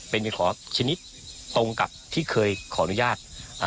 เป็นขอชนิดตรงกับที่เคยขออนุญาต